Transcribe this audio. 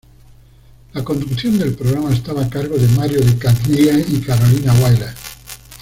La conducción del programa estaba a cargo de Mario De Candía y Carolina Wyler.